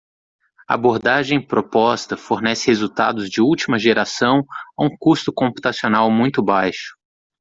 A abordagem proposta fornece resultados de última geração a um custo computacional muito baixo.